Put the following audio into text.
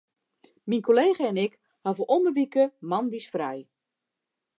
Myn kollega en ik hawwe om 'e wike moandeis frij.